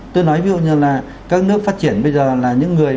tôi nói ví dụ như là các nước phát triển bây giờ là những người